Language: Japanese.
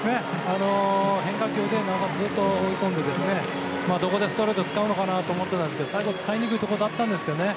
変化球で、ずっと追い込んでどこでストレートを使うのかと思ってたんですけど最後使いにくいところだったんですけどね。